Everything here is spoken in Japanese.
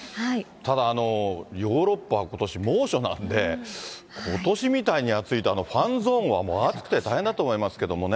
ただ、ヨーロッパはことし猛暑なんで、ことしみたいに暑いと、ファンゾーンは暑くて大変だと思いますけどもね。